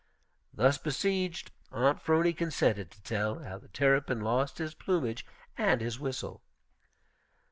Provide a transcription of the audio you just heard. Thus besieged, Aunt 'Phrony consented to tell how the Terrapin lost his plumage and his whistle.